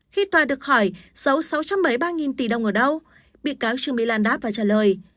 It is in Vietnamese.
khi tòa được hỏi sấu sáu trăm bảy mươi ba tỷ đồng ở đâu bị cáo trương my lan đáp và trả lời